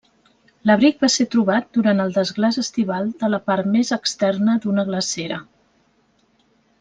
L'abric va ser trobat durant el desglaç estival de la part més externa d'una glacera.